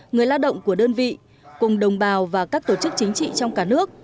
người lao động của đơn vị cùng đồng bào và các tổ chức chính trị trong cả nước